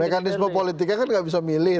mekanisme politiknya kan nggak bisa milih